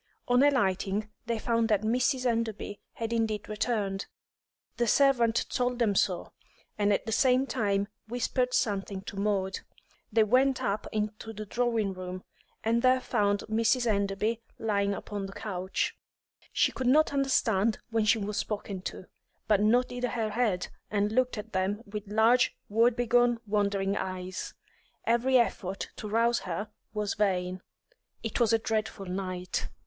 On alighting, they found that Mrs. Enderby had indeed returned; the servant told them so, and at the same time whispered something to Maud. They went up into the drawing room, and there found Mrs. Enderby lying upon the couch. She could not understand when she was spoken to, but nodded her head and looked at them with large, woebegone, wandering eyes. Every effort to rouse her was vain. It was a dreadful night.